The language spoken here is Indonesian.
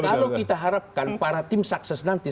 kalau kita harapkan para tim sukses nanti